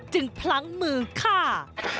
จึงพลั้งมือฆ่า